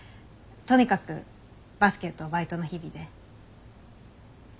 とにかくバスケとバイトの日々で。